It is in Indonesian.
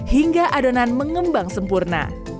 hingga adonan mengembang sempurna